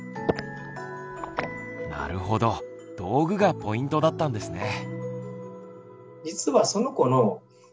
なるほど道具がポイントだったんですね。